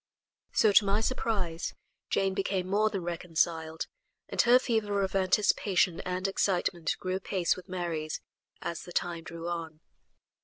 So, to my surprise, Jane became more than reconciled, and her fever of anticipation and excitement grew apace with Mary's as the time drew on.